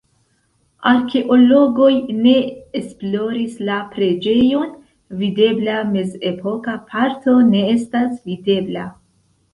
Arkeologoj ne esploris la preĝejon, videbla mezepoka parto ne estas videbla.